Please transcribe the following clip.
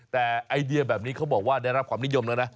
แต่ไอเดียแบบนี้เขาบอกว่าได้รับความนิยมแล้วนะ